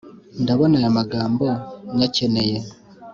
ndabona aya magambo nyakeneye